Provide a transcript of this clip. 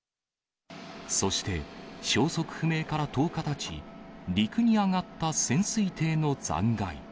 そして、消息不明から１０日たち、陸に揚がった潜水艇の残骸。